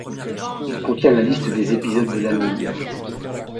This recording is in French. Il contient la liste des épisodes de l'anime.